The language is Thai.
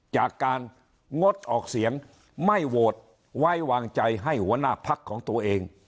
จากการงดออกเสียงไม่โหวตไว้วางใจให้หัวหน้าพักของตัวเอง